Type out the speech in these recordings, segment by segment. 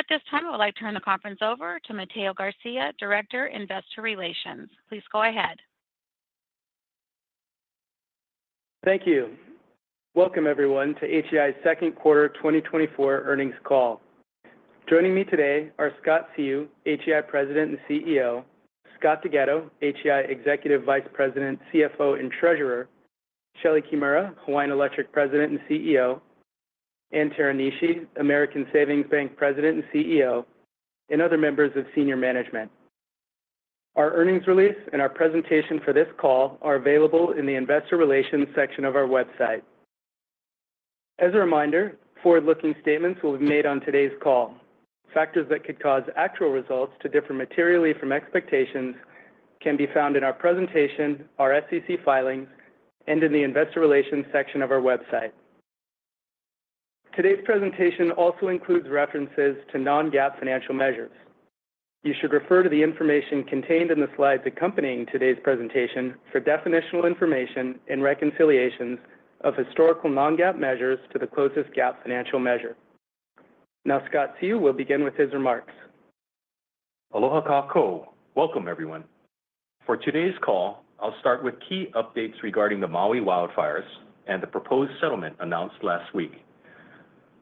At this time, I would like to turn the conference over to Mateo Garcia, Director, Investor Relations. Please go ahead. Thank you. Welcome, everyone, to HEI's Q2 2024 Earnings Call. Joining me today are Scott Seu, HEI President and CEO; Scott DeGhetto, HEI Executive Vice President, CFO, and Treasurer; Shelee Kimura, Hawaiian Electric President and CEO; Ann Teranishi, American Savings Bank President and CEO, and other members of senior management. Our earnings release and our presentation for this call are available in the Investor Relations section of our website. As a reminder, forward-looking statements will be made on today's call. Factors that could cause actual results to differ materially from expectations can be found in our presentation, our SEC filings, and in the Investor Relations section of our website. Today's presentation also includes references to non-GAAP financial measures. You should refer to the information contained in the slides accompanying today's presentation for definitional information and reconciliations of historical non-GAAP measures to the closest GAAP financial measure. Now, Scott Seu will begin with his remarks. Aloha kakou. Welcome, everyone. For today's call, I'll start with key updates regarding the Maui wildfires and the proposed settlement announced last week.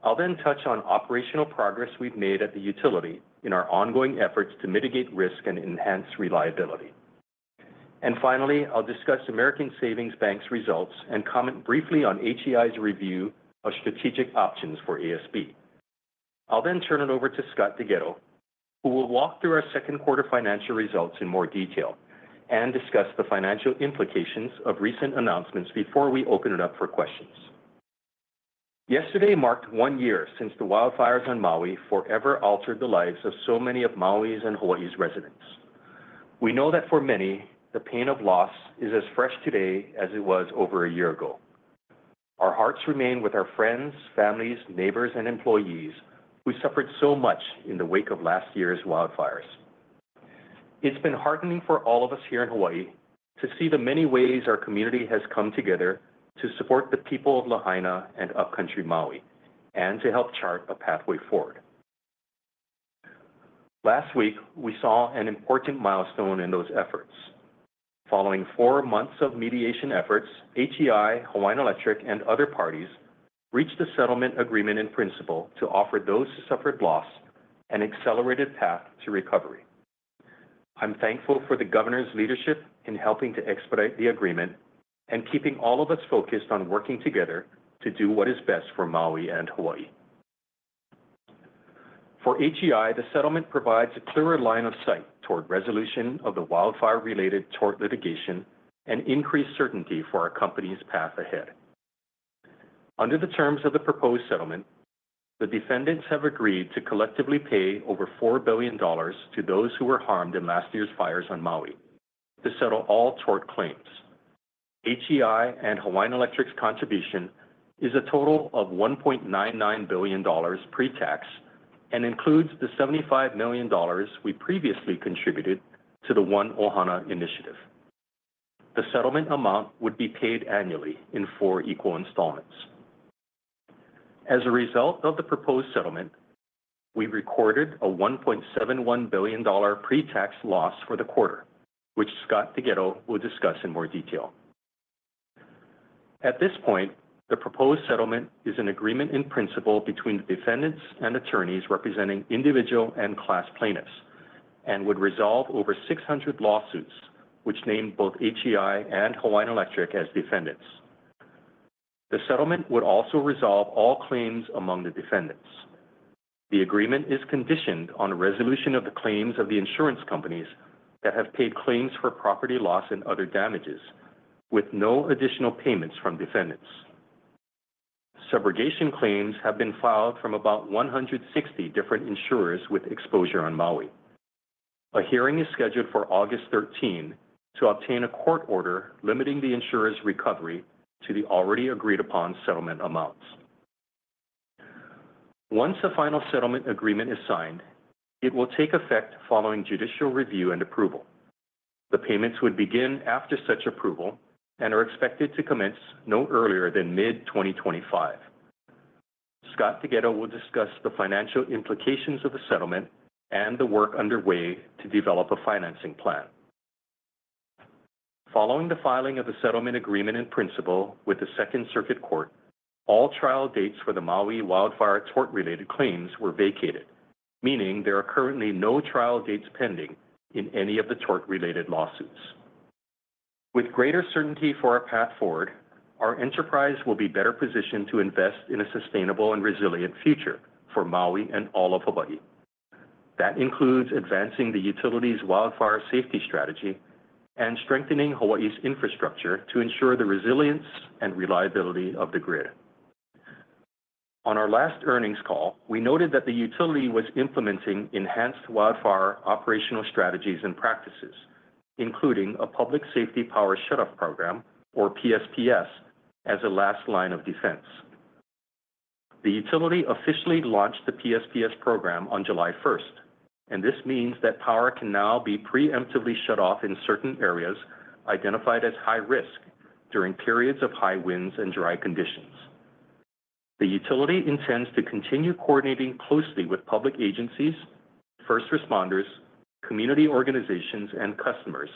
I'll then touch on operational progress we've made at the utility in our ongoing efforts to mitigate risk and enhance reliability. Finally, I'll discuss American Savings Bank's results and comment briefly on HEI's review of strategic options for ASB. I'll then turn it over to Scott DeGhetto, who will walk through our Q2 financial results in more detail and discuss the financial implications of recent announcements before we open it up for questions. Yesterday marked one year since the wildfires on Maui forever altered the lives of so many of Maui's and Hawaii's residents. We know that for many, the pain of loss is as fresh today as it was over a year ago. Our hearts remain with our friends, families, neighbors, and employees who suffered so much in the wake of last year's wildfires. It's been heartening for all of us here in Hawaii to see the many ways our community has come together to support the people of Lahaina and Upcountry Maui, and to help chart a pathway forward. Last week, we saw an important milestone in those efforts. Following four months of mediation efforts, HEI, Hawaiian Electric, and other parties reached a settlement agreement in principle to offer those who suffered loss an accelerated path to recovery. I'm thankful for the Governor's leadership in helping to expedite the agreement and keeping all of us focused on working together to do what is best for Maui and Hawaii. For HEI, the settlement provides a clearer line of sight toward resolution of the wildfire-related tort litigation and increased certainty for our company's path ahead. Under the terms of the proposed settlement, the defendants have agreed to collectively pay over $4 billion to those who were harmed in last year's fires on Maui to settle all tort claims. HEI and Hawaiian Electric's contribution is a total of $1.9 billion pre-tax and includes the $75 million we previously contributed to the One ‘Ohana Initiative. The settlement amount would be paid annually in four equal installments. As a result of the proposed settlement, we recorded a $1.71 billion pre-tax loss for the quarter, which Scott DeGhetto will discuss in more detail. At this point, the proposed settlement is an agreement in principle between the defendants and attorneys representing individual and class plaintiffs and would resolve over 600 lawsuits, which named both HEI and Hawaiian Electric as defendants. The settlement would also resolve all claims among the defendants. The agreement is conditioned on resolution of the claims of the insurance companies that have paid claims for property loss and other damages, with no additional payments from defendants. Subrogation claims have been filed from about 160 different insurers with exposure on Maui. A hearing is scheduled for August 13th to obtain a court order limiting the insurer's recovery to the already agreed-upon settlement amounts. Once a final settlement agreement is signed, it will take effect following judicial review and approval. The payments would begin after such approval and are expected to commence no earlier than mid-2025. Scott DeGhetto will discuss the financial implications of the settlement and the work underway to develop a financing plan. Following the filing of the settlement agreement in principle with the Second Circuit Court, all trial dates for the Maui wildfire tort-related claims were vacated, meaning there are currently no trial dates pending in any of the tort-related lawsuits. With greater certainty for our path forward, our enterprise will be better positioned to invest in a sustainable and resilient future for Maui and all of Hawaii. That includes advancing the utility's wildfire safety strategy and strengthening Hawaii's infrastructure to ensure the resilience and reliability of the grid. On our last earnings call, we noted that the utility was implementing enhanced wildfire operational strategies and practices, including a Public Safety Power Shutoff program, or PSPS, as a last line of defense. The utility officially launched the PSPS program on July 1st. This means that power can now be preemptively shut off in certain areas identified as high risk during periods of high winds and dry conditions. The utility intends to continue coordinating closely with public agencies, first responders, community organizations, and customers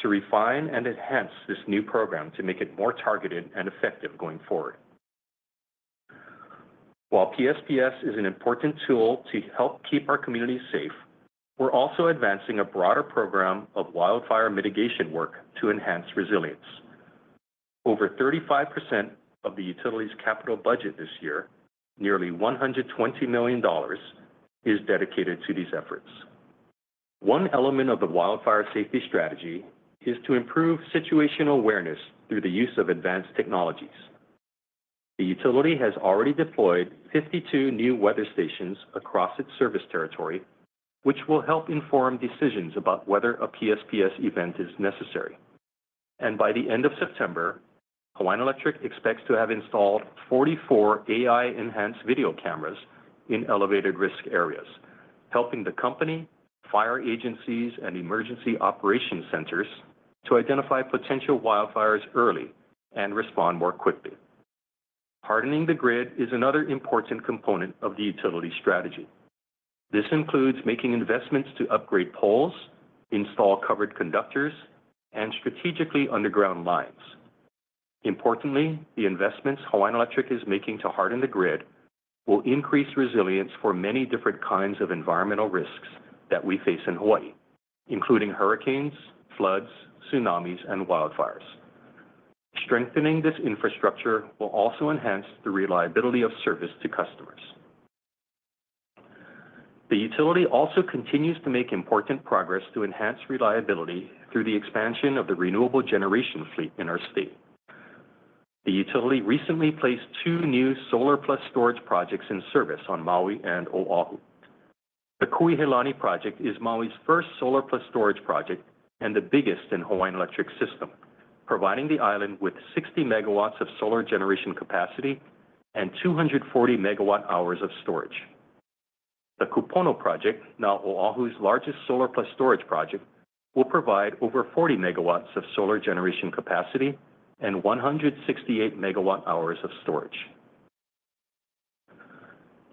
to refine and enhance this new program to make it more targeted and effective going forward. While PSPS is an important tool to help keep our community safe, we're also advancing a broader program of wildfire mitigation work to enhance resilience. Over 35% of the utility's capital budget this year, nearly $120 million, is dedicated to these efforts. One element of the wildfire safety strategy is to improve situational awareness through the use of advanced technologies. The utility has already deployed 52 new weather stations across its service territory, which will help inform decisions about whether a PSPS event is necessary. By the end of September, Hawaiian Electric expects to have installed 44 AI-enhanced video cameras in elevated risk areas, helping the company, fire agencies, and emergency operation centers to identify potential wildfires early and respond more quickly. Hardening the grid is another important component of the utility strategy. This includes making investments to upgrade poles, install covered conductors, and strategically underground lines. Importantly, the investments Hawaiian Electric is making to harden the grid will increase resilience for many different kinds of environmental risks that we face in Hawaii, including hurricanes, floods, tsunamis, and wildfires. Strengthening this infrastructure will also enhance the reliability of service to customers. The utility also continues to make important progress to enhance reliability through the expansion of the renewable generation fleet in our state. The utility recently placed two new solar-plus-storage projects in service on Maui and O‘ahu. The Kūihelani project is Maui's first solar-plus-storage project and the biggest in Hawaiian Electric system, providing the island with 60 MW of solar generation capacity and 240 MWh of storage. The Kūpono project, now O‘ahu's largest solar-plus-storage project, will provide over 40 MW of solar generation capacity and 168 MWh of storage.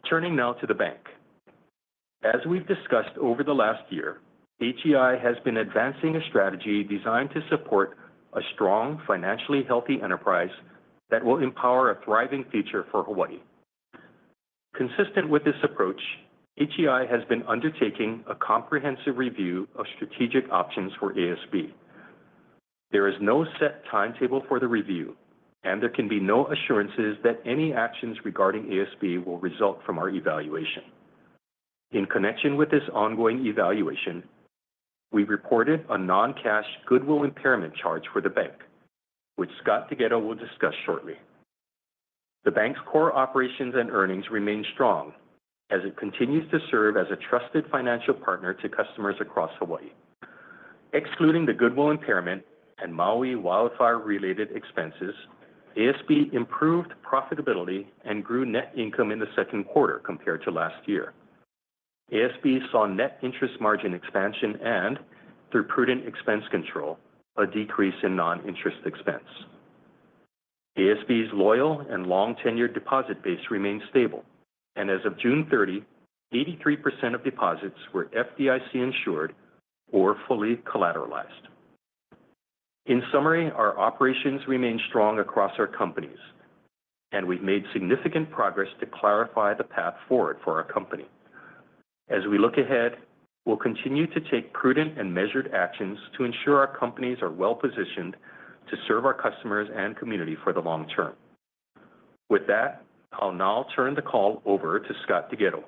Turning now to the bank. As we've discussed over the last year, HEI has been advancing a strategy designed to support a strong, financially healthy enterprise that will empower a thriving future for Hawaii. Consistent with this approach, HEI has been undertaking a comprehensive review of strategic options for ASB. There is no set timetable for the review, and there can be no assurances that any actions regarding ASB will result from our evaluation. In connection with this ongoing evaluation, we reported a non-cash goodwill impairment charge for the bank, which Scott DeGhetto will discuss shortly. The bank's core operations and earnings remain strong as it continues to serve as a trusted financial partner to customers across Hawaii. Excluding the goodwill impairment and Maui wildfire-related expenses, ASB improved profitability and grew net income in the Q2 compared to last year. ASB saw net interest margin expansion and, through prudent expense control, a decrease in non-interest expense. ASB's loyal and long-tenured deposit base remains stable, and as of June 30th, 83% of deposits were FDIC-insured or fully collateralized. In summary, our operations remain strong across our companies, and we've made significant progress to clarify the path forward for our company. As we look ahead, we'll continue to take prudent and measured actions to ensure our companies are well-positioned to serve our customers and community for the long term. With that, I'll now turn the call over to Scott DeGhetto,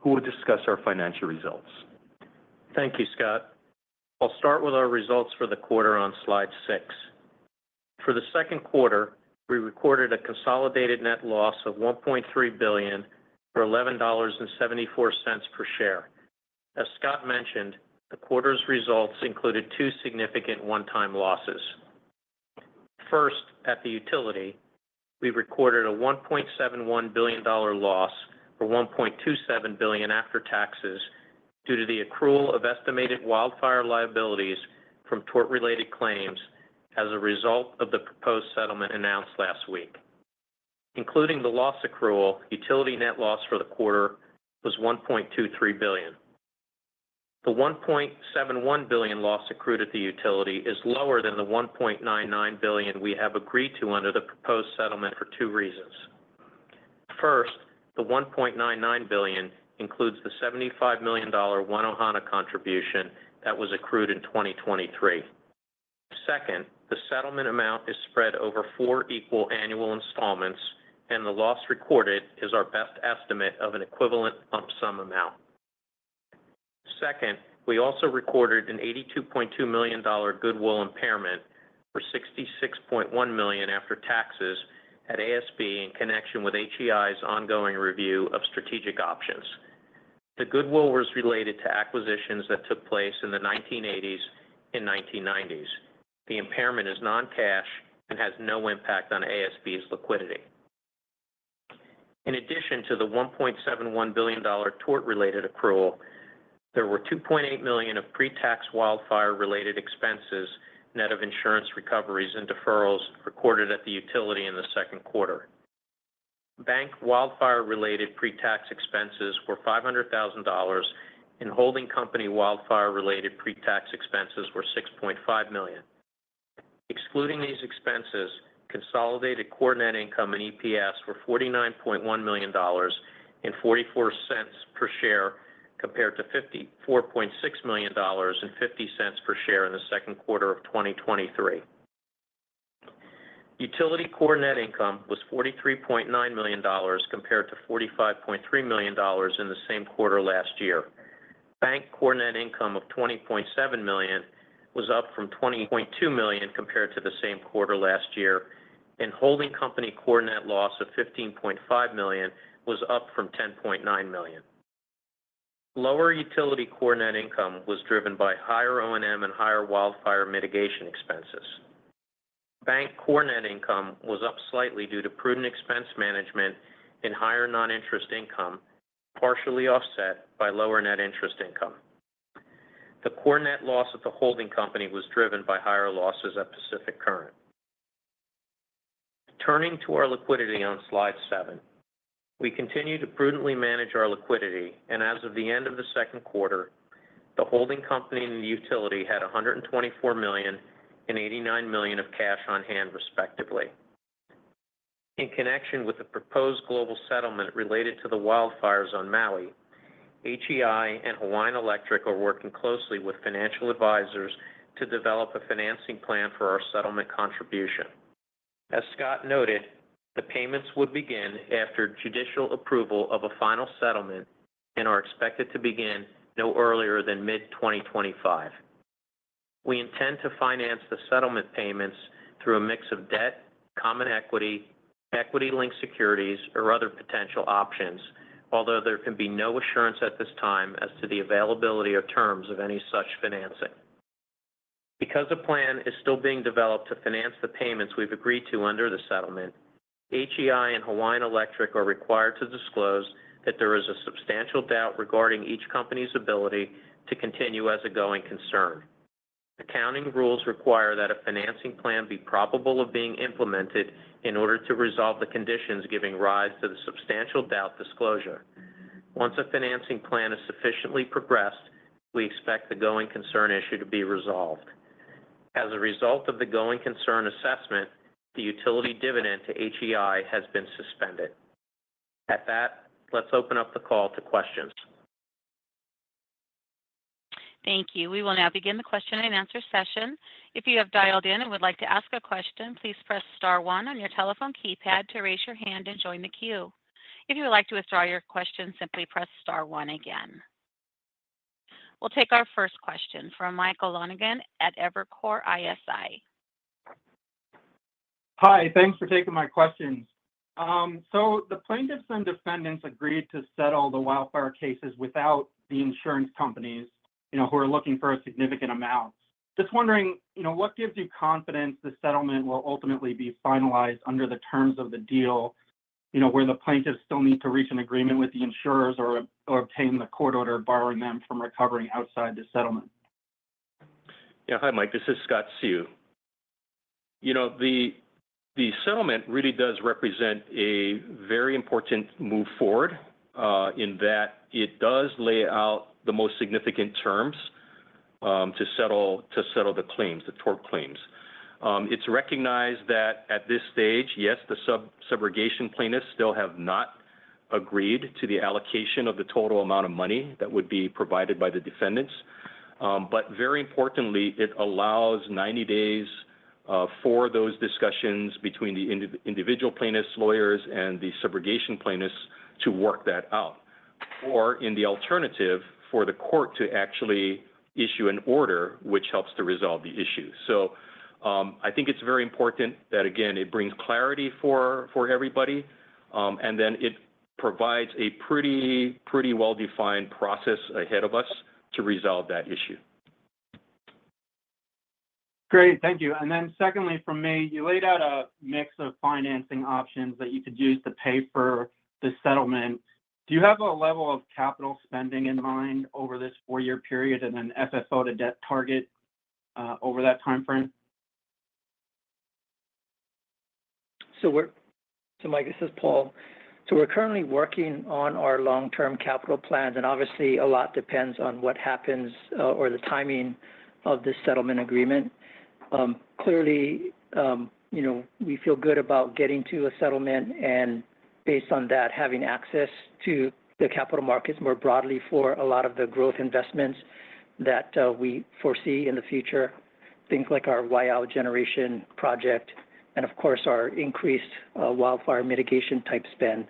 who will discuss our financial results. Thank you, Scott. I'll start with our results for the quarter on slide 6. For the Q2, we recorded a consolidated net loss of $1.3 billion, or $11.74 per share. As Scott mentioned, the quarter's results included two significant one-time losses. First, at the utility, we recorded a $1.71 billion loss, or $1.27 billion after taxes, due to the accrual of estimated wildfire liabilities from tort-related claims as a result of the proposed settlement announced last week. Including the loss accrual, utility net loss for the quarter was $1.23 billion. The $1.71 billion loss accrued at the utility is lower than the $1.99 billion we have agreed to under the proposed settlement for two reasons. First, the $1.99 billion includes the $75 million One ‘Ohana contribution that was accrued in 2023. Second, the settlement amount is spread over four equal annual installments, and the loss recorded is our best estimate of an equivalent lump sum amount. Second, we also recorded an $82.2 million goodwill impairment for $66.1 million after taxes at ASB in connection with HEI's ongoing review of strategic options. The goodwill was related to acquisitions that took place in the 1980s and 1990s. The impairment is non-cash and has no impact on ASB's liquidity. In addition to the $1.71 billion tort-related accrual, there were $2.8 million of pre-tax wildfire-related expenses, net of insurance recoveries and deferrals recorded at the utility in the Q2. Bank wildfire-related pre-tax expenses were $500,000, and holding company wildfire-related pre-tax expenses were $6.5 million. Excluding these expenses, consolidated core net income and EPS were $49.1 million and $0.44 per share, compared to $54.6 million and $0.50 per share in the Q2 of 2023. Utility core net income was $43.9 million, compared to $45.3 million in the same quarter last year. Bank core net income of $20.7 million was up from $20.2 million compared to the same quarter last year, and holding company core net loss of $15.5 million was up from $10.9 million. Lower utility core net income was driven by higher O&M and higher wildfire mitigation expenses. Bank core net income was up slightly due to prudent expense management and higher non-interest income, partially offset by lower net interest income. The core net loss of the holding company was driven by higher losses at Pacific Current. Turning to our liquidity on slide 7. We continue to prudently manage our liquidity, and as of the end of the Q2, the holding company and the utility had $124 million and $89 million of cash on hand, respectively. In connection with the proposed global settlement related to the wildfires on Maui, HEI and Hawaiian Electric are working closely with financial advisors to develop a financing plan for our settlement contribution. As Scott noted, the payments would begin after judicial approval of a final settlement and are expected to begin no earlier than mid-2025. We intend to finance the settlement payments through a mix of debt, common equity, equity-linked securities, or other potential options, although there can be no assurance at this time as to the availability or terms of any such financing. Because a plan is still being developed to finance the payments we've agreed to under the settlement, HEI and Hawaiian Electric are required to disclose that there is a substantial doubt regarding each company's ability to continue as a going concern. Accounting rules require that a financing plan be probable of being implemented in order to resolve the conditions giving rise to the substantial doubt disclosure. Once a financing plan is sufficiently progressed, we expect the going concern issue to be resolved. As a result of the going concern assessment, the utility dividend to HEI has been suspended. At that, let's open up the call to questions. Thank you. We will now begin the question and answer session. If you have dialed in and would like to ask a question, please press star one on your telephone keypad to raise your hand and join the queue. If you would like to withdraw your question, simply press star one again. We'll take our first question from Michael Lonegan at Evercore ISI. Hi, thanks for taking my questions. So the plaintiffs and defendants agreed to settle the wildfire cases without the insurance companies, you know, who are looking for a significant amount. Just wondering, you know, what gives you confidence the settlement will ultimately be finalized under the terms of the deal, you know, where the plaintiffs still need to reach an agreement with the insurers or obtain the court order barring them from recovering outside the settlement? Yeah. Hi, Mike. This is Scott Seu. You know, the settlement really does represent a very important move forward, in that it does lay out the most significant terms to settle the claims, the tort claims. It's recognized that at this stage, yes, the subrogation plaintiffs still have not agreed to the allocation of the total amount of money that would be provided by the defendants. But very importantly, it allows 90 days for those discussions between the individual plaintiffs, lawyers, and the subrogation plaintiffs to work that out, or in the alternative, for the court to actually issue an order which helps to resolve the issue. So, I think it's very important that, again, it brings clarity for everybody, and then it provides a pretty well-defined process ahead of us to resolve that issue. Great. Thank you. And then secondly, from me, you laid out a mix of financing options that you could use to pay for the settlement. Do you have a level of capital spending in mind over this four-year period and an FFO to debt target, over that timeframe? So Mike, this is Paul. We're currently working on our long-term capital plans, and obviously a lot depends on what happens or the timing of this settlement agreement. Clearly, you know, we feel good about getting to a settlement and based on that, having access to the capital markets more broadly for a lot of the growth investments that we foresee in the future. Things like our Waiau generation project and of course, our increased wildfire mitigation type spend.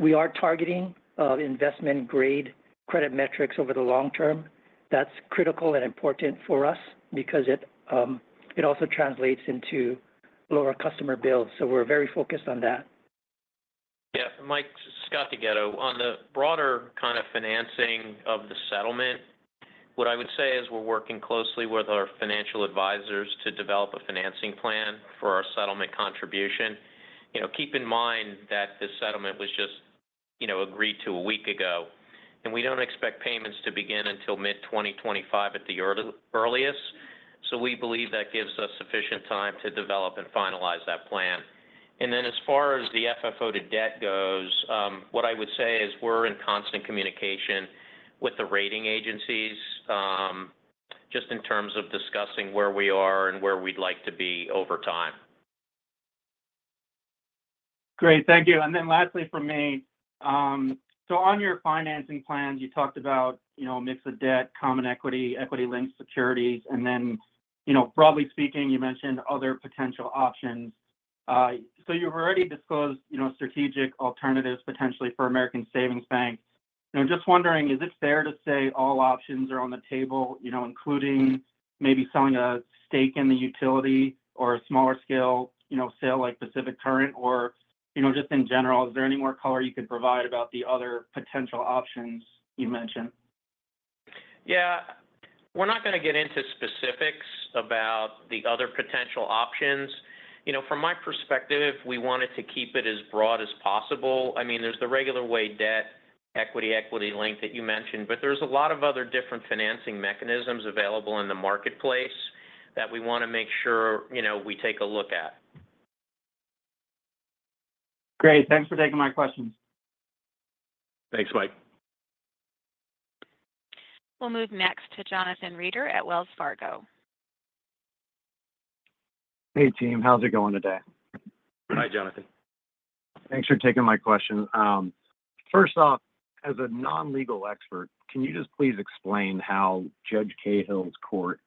We are targeting investment-grade credit metrics over the long term. That's critical and important for us because it also translates into lower customer bills, so we're very focused on that. Yeah, Mike, this is Scott DeGhetto. On the broader kind of financing of the settlement, what I would say is we're working closely with our financial advisors to develop a financing plan for our settlement contribution. You know, keep in mind that this settlement was just, you know, agreed to a week ago, and we don't expect payments to begin until mid-2025 at the earliest. So we believe that gives us sufficient time to develop and finalize that plan. And then as far as the FFO to debt goes, what I would say is we're in constant communication with the rating agencies, just in terms of discussing where we are and where we'd like to be over time. Great. Thank you. And then lastly, from me, so on your financing plans, you talked about, you know, a mix of debt, common equity, equity-linked securities, and then, you know, broadly speaking, you mentioned other potential options. So you've already disclosed, you know, strategic alternatives potentially for American Savings Bank. I'm just wondering, is it fair to say all options are on the table, you know, including maybe selling a stake in the utility or a smaller scale, you know, sale like Pacific Current or, you know, just in general, is there any more color you could provide about the other potential options you mentioned? Yeah. We're not gonna get into specifics about the other potential options. You know, from my perspective, we wanted to keep it as broad as possible. I mean, there's the regular way debt, equity, equity link that you mentioned, but there's a lot of other different financing mechanisms available in the marketplace that we wanna make sure, you know, we take a look at. Great. Thanks for taking my questions. Thanks, Mike. We'll move next to Jonathan Reeder at Wells Fargo. Hey, team. How's it going today? Hi, Jonathan. Thanks for taking my question. First off, as a non-legal expert, can you just please explain how Judge Cahill's court,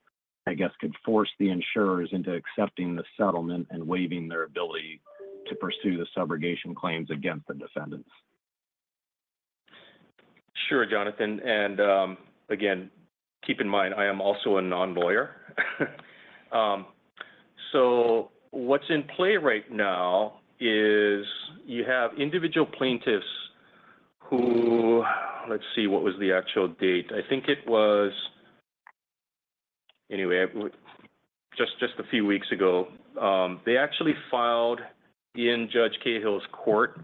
I guess, could force the insurers into accepting the settlement and waiving their ability to pursue the subrogation claims against the defendants? Sure, Jonathan, and again, keep in mind, I am also a non-lawyer. So what's in play right now is you have individual plaintiffs who just a few weeks ago they actually filed in Judge Cahill's court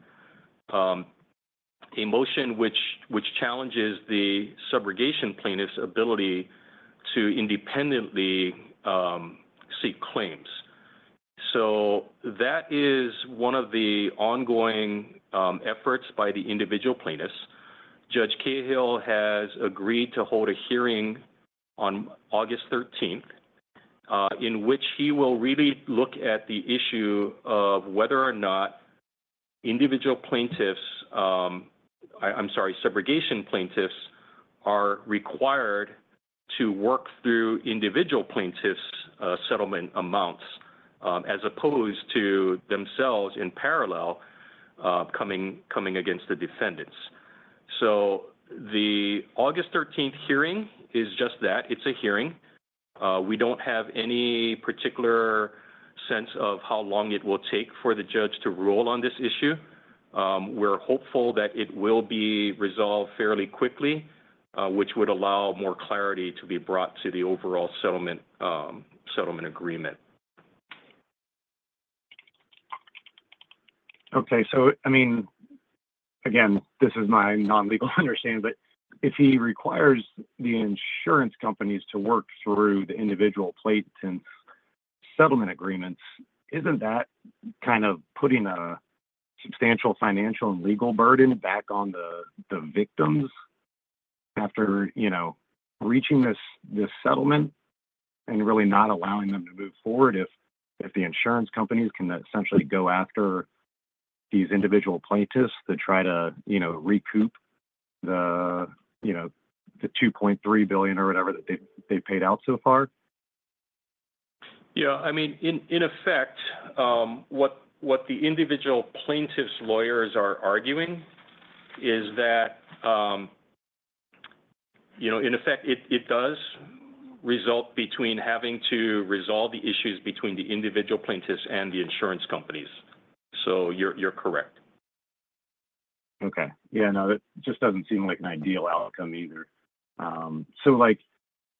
a motion which challenges the subrogation plaintiff's ability to independently seek claims. So that is one of the ongoing efforts by the individual plaintiffs. Judge Cahill has agreed to hold a hearing on August thirteenth in which he will really look at the issue of whether or not individual plaintiffs I, I'm sorry, subrogation plaintiffs are required to work through individual plaintiffs' settlement amounts as opposed to themselves in parallel coming against the defendants. So the August thirteenth hearing is just that. It's a hearing. We don't have any particular sense of how long it will take for the judge to rule on this issue. We're hopeful that it will be resolved fairly quickly, which would allow more clarity to be brought to the overall settlement, settlement agreement. Okay, so, I mean, again, this is my non-legal understanding, but if he requires the insurance companies to work through the individual plaintiffs' settlement agreements, isn't that kind of putting a substantial financial and legal burden back on the, the victims after, you know, reaching this, this settlement and really not allowing them to move forward, if, if the insurance companies can essentially go after these individual plaintiffs to try to, you know, recoup the, you know, the $2.3 billion or whatever that they've, they've paid out so far? Yeah, I mean, in effect, what the individual plaintiffs' lawyers are arguing is that, you know, in effect, it does result between having to resolve the issues between the individual plaintiffs and the insurance companies. So you're correct. Okay. Yeah, no, that just doesn't seem like an ideal outcome either. So, like,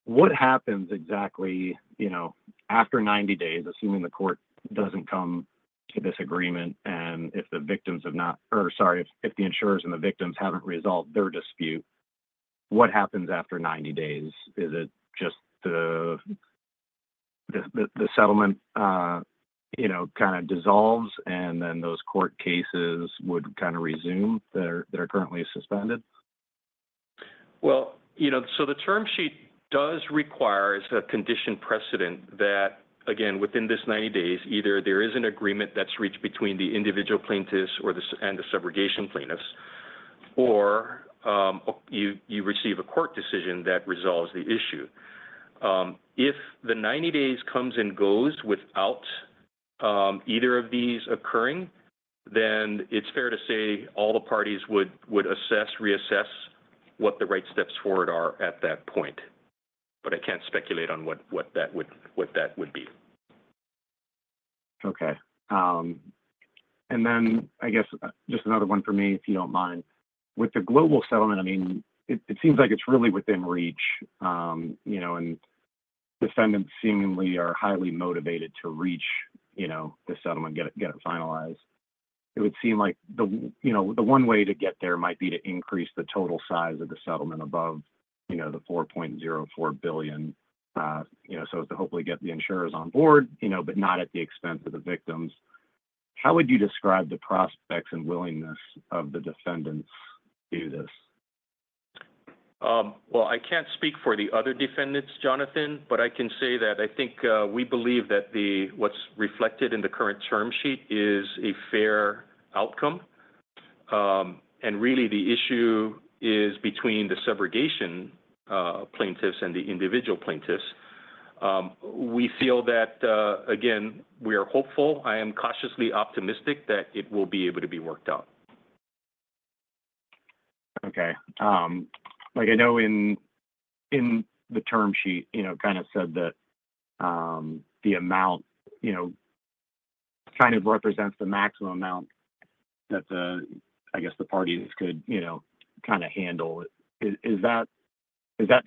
what happens exactly, you know, after 90 days, assuming the court doesn't come to this agreement, and if the victims have not or sorry, if the insurers and the victims haven't resolved their dispute, what happens after 90 days? Is it just the settlement, you know, kind of dissolves, and then those court cases would kind of resume that are currently suspended? Well, you know, so the term sheet does require as a condition precedent that, again, within this 90 days, either there is an agreement that's reached between the individual plaintiffs or the subrogation plaintiffs, or you receive a court decision that resolves the issue. If the 90 days comes and goes without either of these occurring, then it's fair to say all the parties would assess, reassess what the right steps forward are at that point, but I can't speculate on what that would be. Okay. And then I guess, just another one for me, if you don't mind. With the global settlement, I mean, it, it seems like it's really within reach, you know, and defendants seemingly are highly motivated to reach, you know, the settlement, get it, get it finalized. It would seem like the, you know, the one way to get there might be to increase the total size of the settlement above, you know, the $4.04 billion, you know, so as to hopefully get the insurers on board, you know, but not at the expense of the victims. How would you describe the prospects and willingness of the defendants to do this? Well, I can't speak for the other defendants, Jonathan, but I can say that I think we believe that what's reflected in the current term sheet is a fair outcome. And really, the issue is between the subrogation plaintiffs and the individual plaintiffs. We feel that, again, we are hopeful. I am cautiously optimistic that it will be able to be worked out. Okay. Like I know in the term sheet, you know, kind of said that the amount, you know, kind of represents the maximum amount that the, I guess, the parties could, you know, kind of handle. Is that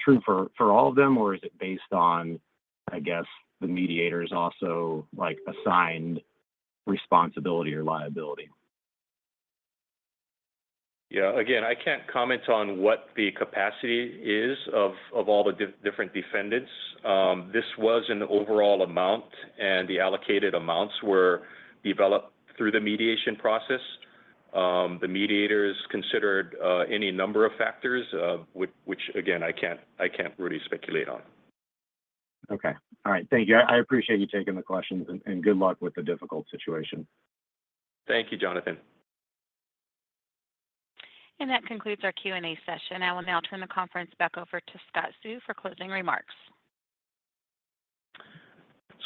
true for all of them, or is it based on, I guess, the mediators also like assigned responsibility or liability? Yeah, again, I can't comment on what the capacity is of all the different defendants. This was an overall amount, and the allocated amounts were developed through the mediation process. The mediators considered any number of factors, which, again, I can't really speculate on. Okay. All right. Thank you. I appreciate you taking the questions, and good luck with the difficult situation. Thank you, Jonathan. That concludes our Q&A session. I will now turn the conference back over to Scott Seu for closing remarks.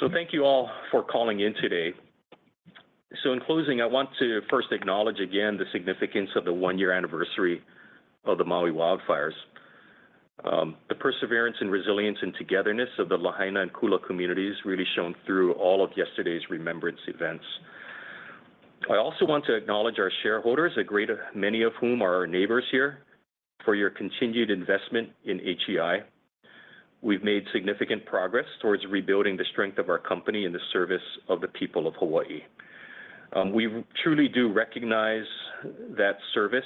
So thank you all for calling in today. So in closing, I want to first acknowledge again the significance of the one-year anniversary of the Maui wildfires. The perseverance and resilience and togetherness of the Lahaina and Kula communities really shone through all of yesterday's remembrance events. I also want to acknowledge our shareholders, a great many of whom are our neighbors here, for your continued investment in HEI. We've made significant progress towards rebuilding the strength of our company in the service of the people of Hawaii. We truly do recognize that service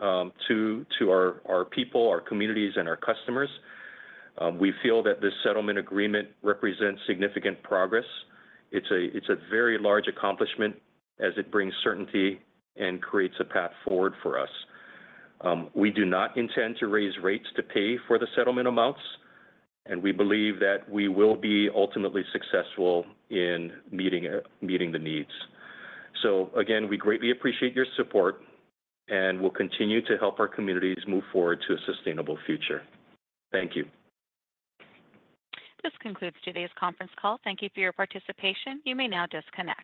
to our people, our communities, and our customers. We feel that this settlement agreement represents significant progress. It's a very large accomplishment, as it brings certainty and creates a path forward for us. We do not intend to raise rates to pay for the settlement amounts, and we believe that we will be ultimately successful in meeting the needs. So again, we greatly appreciate your support, and we'll continue to help our communities move forward to a sustainable future. Thank you. This concludes today's conference call. Thank you for your participation. You may now disconnect.